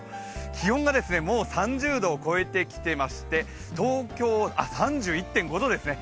気温がもう３０度を超えてきてまして、３１．５度ですね。